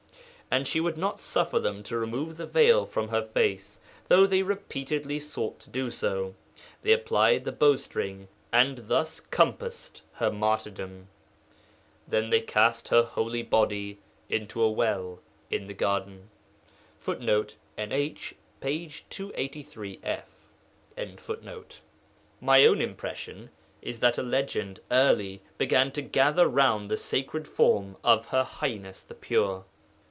As she would not suffer them to remove the veil from her face (though they repeatedly sought to do so) they applied the bow string, and thus compassed her martyrdom. Then they cast her holy body into a well in the garden. [Footnote: NH, pp. 283 f.] My own impression is that a legend early began to gather round the sacred form of Her Highness the Pure.